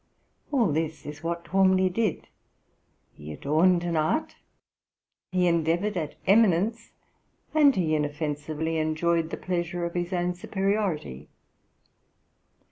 All this is what Twalmley did. He adorned an art, he endeavoured at eminence, and he inoffensively enjoyed the pleasure of his own superiority.